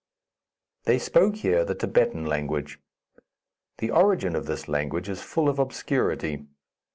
They spoke here the Thibetan language. The origin of this language is full of obscurity.